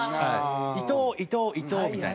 「伊藤」「伊藤」「伊藤」みたいな。